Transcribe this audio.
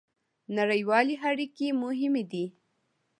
نړیوالې اړیکې مهمې دي